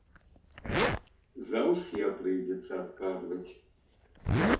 За ўсе прыйдзецца адказваць.